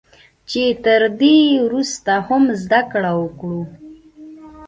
چې تر دې ورسته هم زده کړه وکړو